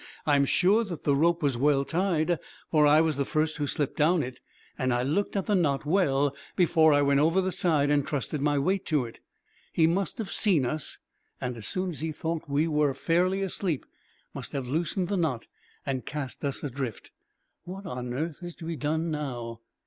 I am sure that the rope was well tied, for I was the first who slipped down it, and I looked at the knot well, before I went over the side and trusted my weight to it. He must have seen us, and as soon as he thought we were fairly asleep must have loosened the knot and cast us adrift. What on earth is to be done, now?"